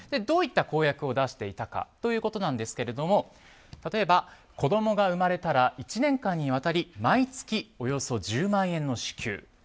どういった公約を出していたかということですけども例えば、子供が生まれたら１年間にわたり毎月およそ１０万円の支給。